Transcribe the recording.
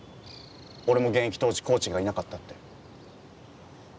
俺も現役当時、コーチがいなかったって。